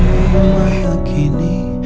saya tidak korupsi ya allah